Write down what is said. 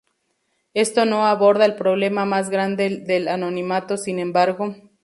Esto no aborda el problema más grande del anonimato sin embargo.